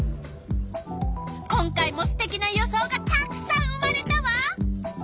今回もすてきな予想がたくさん生まれたわ。